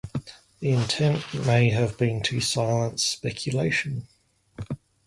The intent may have been to silence speculation.